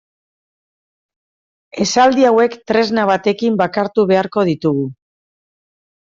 Esaldi hauek tresna batekin bakartu beharko ditugu.